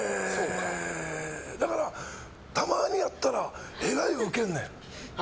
だから、たまにやったらえらいウケんねん。